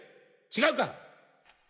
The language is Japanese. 違うか！？